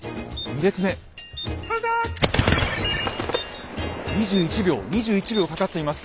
２１秒２１秒かかっています。